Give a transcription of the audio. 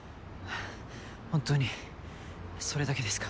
本当にそれだけですか？